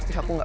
tapi aku gak